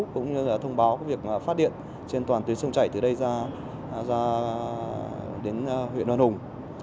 cũng như là thông báo việc phát điện trên toàn tuyến sông chảy từ đây ra đến huyện đoan hùng